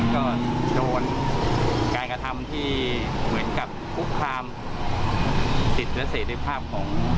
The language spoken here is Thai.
ก็โดนการกระทำที่เหมือนกับคุกคามสิทธิ์และเสรีภาพของ